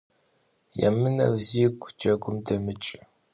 Yêmıner zigu, jegum demıç'.